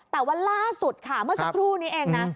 แต่ว่าล่าสุดค่ะเมื่อสักครู่นี้เองนะ